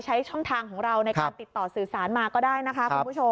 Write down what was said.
ใช้ช่องทางของเราในการติดต่อสื่อสารมาก็ได้นะครับ